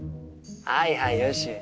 はいはいよしよし。